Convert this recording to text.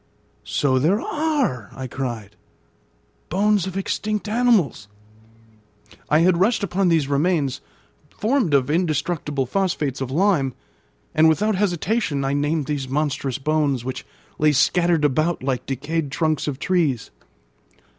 "So there are!" I cried; "bones of extinct animals." I had rushed upon these remains, formed of indestructible phosphates of lime, and without hesitation I named these monstrous bones, which lay scattered about like decayed trunks of trees.